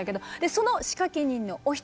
その仕掛け人のお一人